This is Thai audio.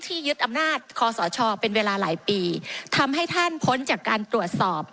ยึดอำนาจคอสชเป็นเวลาหลายปีทำให้ท่านพ้นจากการตรวจสอบ